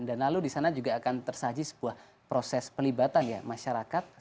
dan lalu disana juga akan tersaji sebuah proses pelibatan ya masyarakat